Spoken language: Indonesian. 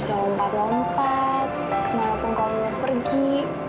aku bilang kamu mau pergi